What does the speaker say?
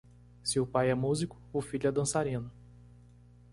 Se o pai é músico, o filho é dançarino.